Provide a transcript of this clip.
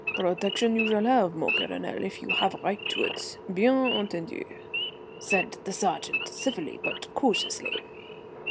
"Protection you shall have, mon Colonel, if you have a right to it, bien entendu," said the sergeant, civilly but cautiously.